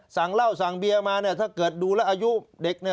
สั่งเหล้าสั่งเบียร์มาเนี่ยถ้าเกิดดูแล้วอายุเด็กเนี่ย